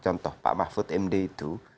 contoh pak mahfud md itu